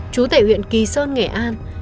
trú tại huyện kỳ sơn nghệ an